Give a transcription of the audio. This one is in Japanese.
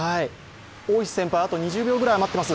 大石先輩、あと２０秒ぐらい余ってます。